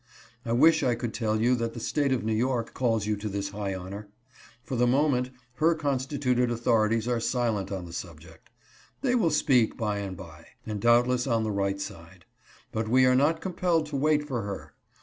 I wish I could tell you that the State of New York calls you to this high honor. For the moment her con stituted authorities are silent on the subject. They will speak by and by, and doubtless on the right side; but we are not compelled to wait for her.